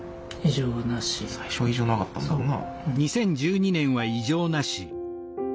最初は異常なかったんだもんな。